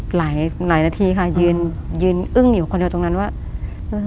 หลายหลายนาทีค่ะยืนยืนอึ้งอยู่คนเดียวตรงนั้นว่าอืม